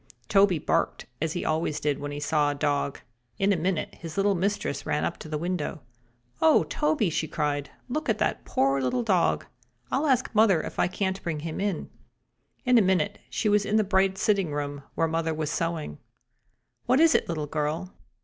Toby barked, as he always did when he saw a dog. In a minute his little mistress ran up to the window. "Oh, Toby!" she cried. "Look at the poor little dog. I'll ask mother if I can't bring him in." In a minute she was in the bright sitting room, where mother was sewing. "What is it, little girl?"